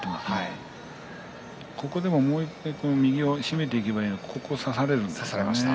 ここでもも、もういっぺん締めていけばいいんですが差されるんですね。